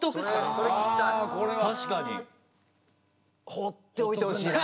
放っておいてほしいな。